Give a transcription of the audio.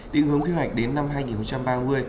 định hướng quy hoạch đến năm hai nghìn ba mươi